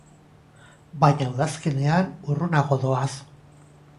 Baina udazkenean urrunago doaz.